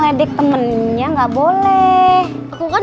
provilde sekolahnya tinggal berapa teman